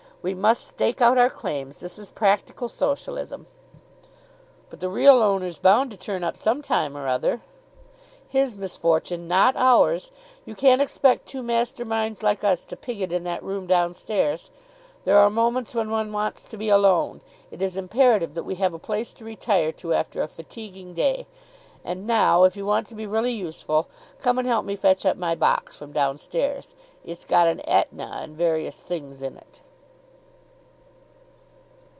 We must stake out our claims. This is practical Socialism." "But the real owner's bound to turn up some time or other." "His misfortune, not ours. You can't expect two master minds like us to pig it in that room downstairs. There are moments when one wants to be alone. It is imperative that we have a place to retire to after a fatiguing day. And now, if you want to be really useful, come and help me fetch up my box from downstairs. It's got an Etna and various things in it."